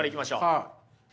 はい。